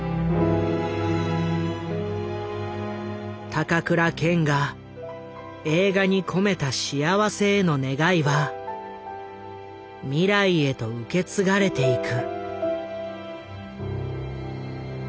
高倉健が映画に込めた幸せへの願いは未来へと受け継がれていく。